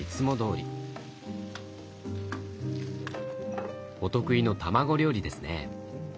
お得意の卵料理ですね。